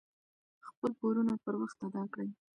خپل پورونه پر وخت ادا کړئ.